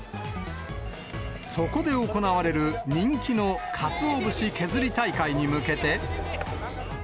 そこで行われる人気のかつお節削り大会に向けて。